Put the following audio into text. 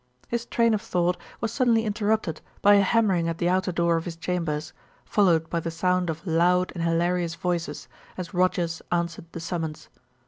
His train of thought was suddenly interrupted by a hammering at the outer door of his chambers, followed by the sound of loud and hilarious voices as Rogers answered the summons.